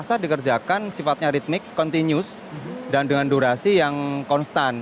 maksudnya dikerjakan sifatnya ritmik kontinus dan dengan durasi yang konstan